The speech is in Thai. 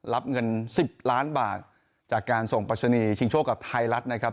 รับเงิน๑๐ล้านบาทจากการส่งปรัชนีชิงโชคกับไทยรัฐนะครับ